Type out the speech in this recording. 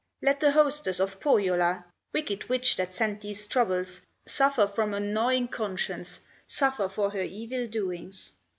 Let the hostess of Pohyola, Wicked witch that sent these troubles, Suffer from a gnawing conscience, Suffer for her evil doings.